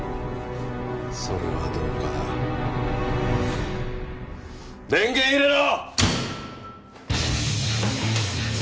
それはどうかな電源入れろ！